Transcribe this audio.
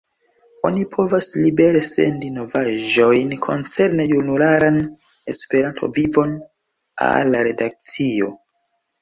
Oni povas libere sendi novaĵojn koncerne junularan Esperanto-vivon al la redakcio.